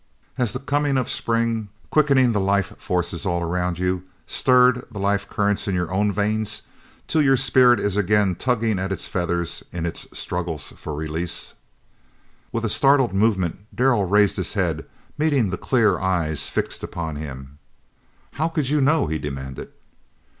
Has the coming of spring, quickening the life forces all around you, stirred the life currents in your own veins till your spirit is again tugging at its fetters in its struggles for release?" With a startled movement Darrell raised his head, meeting the clear eyes fixed upon him. "How could you know?" he demanded.